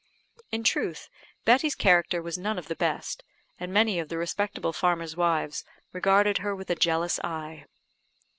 In truth, Betty's character was none of the best, and many of the respectable farmers' wives regarded her with a jealous eye.